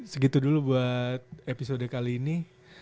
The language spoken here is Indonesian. segitu dulu buat episode kali ini